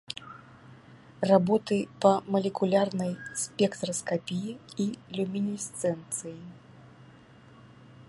Работы па малекулярнай спектраскапіі і люмінесцэнцыі.